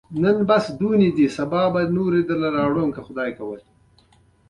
بیا مو نو عقیده سیمابو ته جوړه شي، جګړن کرار وویل: یا هم سالوارسان.